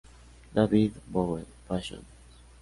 David Bowie: Fashion"